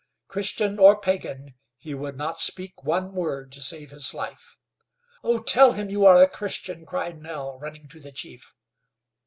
Christian or pagan, he would not speak one word to save his life. "Oh! tell him you are a Christian," cried Nell, running to the chief.